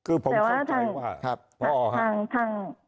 คือผมชอบใจว่าพ่ออ๋อครับค่ะค่ะ